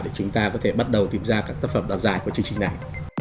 để chúng ta có thể bắt đầu tìm ra các tác phẩm đoạt giải của chương trình này